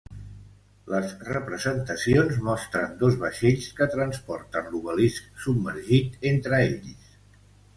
Les representacions mostren dos vaixells que transporten l'obelisc submergit entre ells.